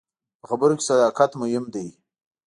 په خبرو کې صداقت مهم دی.